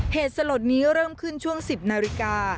เหตุสลดนี้เริ่มขึ้นช่วง๑๐นาฬิกา